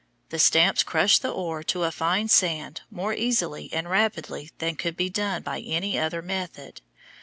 The stamps crush the ore to a fine sand more easily and rapidly than could be done by any other method.